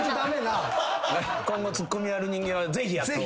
これツッコミやる人間はぜひやった方がいい。